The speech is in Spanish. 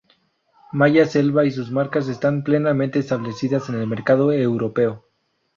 Maya Selva y sus marcas están plenamente establecidas en el mercado europeo.